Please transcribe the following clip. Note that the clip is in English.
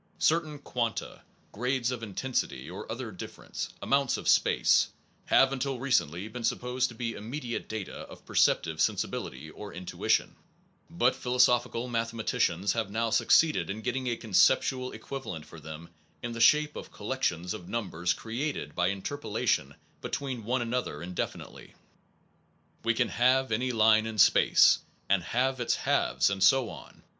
Certain quanta (grades of intensity or other difference, amounts of space) have until recently been supposed to be immediate data of perceptive sensibility or intuition ; but philosophical mathematicians have now succeeded in getting a conceptual equivalent for them in the shape of collections of numbers created by interpolation between one another indefinitely. We can halve any 173 SOME PROBLEMS OF PHILOSOPHY line in space, and halve its halves and so on.